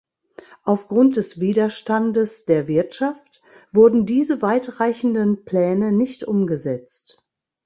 Aufgrund des Widerstandes der Wirtschaft wurden diese weitreichenden Pläne nicht umgesetzt.